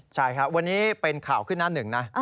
ใช่ครับวันนี้เป็นข่าวขึ้นหน้าหนึ่งนะ